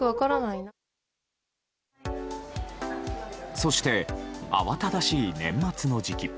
そして慌ただしい年末の時期。